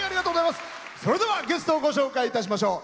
それではゲストをご紹介いたしましょう。